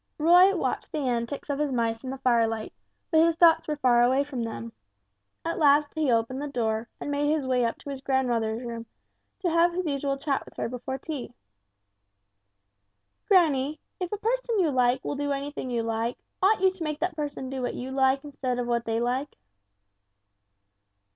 Roy watched the antics of his mice in the firelight, but his thoughts were far away from them. At last he opened the door and made his way up to his grandmother's room to have his usual chat with her before tea. "Granny, if a person you like will do anything you like, ought you to make that person do what you like instead of what they like?"